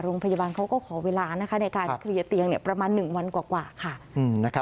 โรงพยาบาลเขาก็ขอเวลานะคะในการเคลียร์เตียงประมาณ๑วันกว่าค่ะ